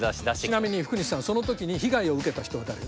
ちなみに福西さんその時に被害を受けた人は誰でしょう？